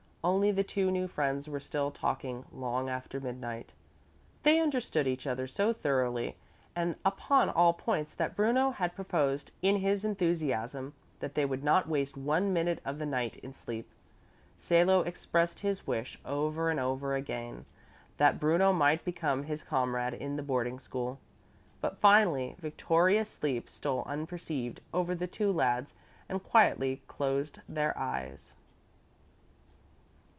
Only the two new friends were still talking long after midnight. They understood each other so thoroughly and upon all points that Bruno had proposed in his enthusiasm that they would not waste one minute of the night in sleep. Salo expressed his wish over and over again that Bruno might become his comrade in the boarding school. But finally victorious sleep stole unperceived over the two lads and quietly closed their eyes.